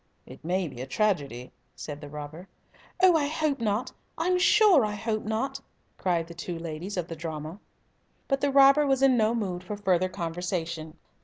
"It may be a tragedy," said the robber. "Oh, I hope not I'm sure I hope not!" cried the two ladies of the drama. But the robber was in no mood for further conversation.